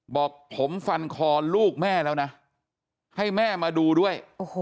บอกผมฟันคอลูกแม่แล้วนะให้แม่มาดูด้วย